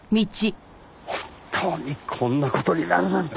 本当にこんな事になるなんて。